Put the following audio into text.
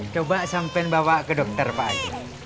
coba sampein bawa ke dokter pagi